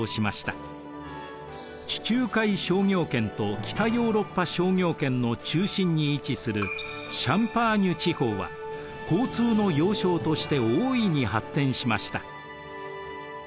地中海商業圏と北ヨーロッパ商業圏の中心に位置するシャンパーニュ地方は交通の要衝として大いに発展しました。